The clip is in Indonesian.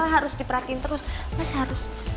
harus diperhatiin terus mas harus